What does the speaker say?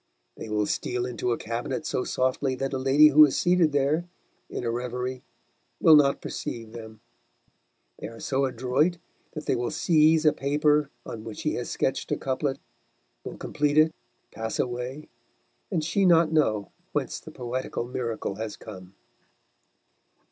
They will steal into a cabinet so softly that a lady who is seated there, in a reverie, will not perceive them; they are so adroit that they will seize a paper on which she has sketched a couplet, will complete it, pass away, and she not know whence the poetical miracle has come.